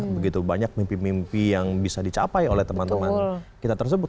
begitu banyak mimpi mimpi yang bisa dicapai oleh teman teman kita tersebut